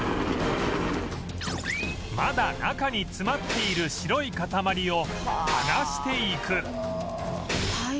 まだ中に詰まっている白い塊を剥がしていく